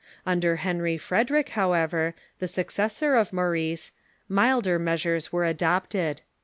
Under Henry Frederic, however, the successor of Maurice, milder measures were adopted.